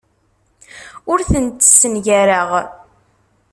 Ur tent-ssengareɣ.